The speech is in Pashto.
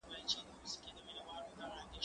زه زدکړه نه کوم،